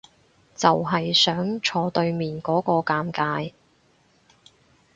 就係想坐對面嗰個尷尬